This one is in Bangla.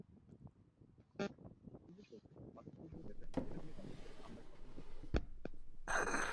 পুলিশ বলছে, মাদক দ্রব্য বেচা-কেনা নিয়ে দ্বন্দ্বের জেরে হামলা ঘটনা ঘটে থাকতে পারে।